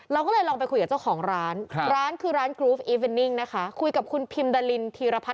รวมแล้วก็เกือบ๑๐เมนูได้เลยค่ะ